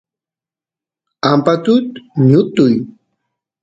ampatut ñutuy